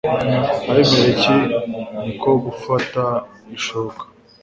abimeleki ni ko gufata ishoka